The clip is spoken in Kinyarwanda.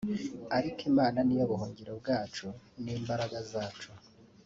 Ariko Imana niyo buhungiro bwacu ni imbaraga zacu